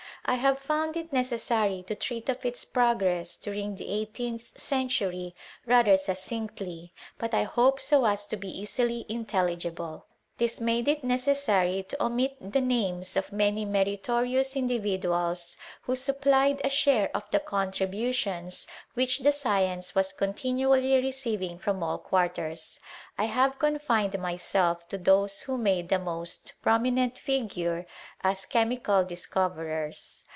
I have found it necessary to treat of its progress during the eighteenth century rather succinctly, but 1 hope so as to be easily intelli gible. This made it necessary to omit die names of many meritorious individuals, who supplied a share of the contributions which the science was continually receiving from all quarters. I have confined myself to those who made the most prominent figure as che mical discoverers.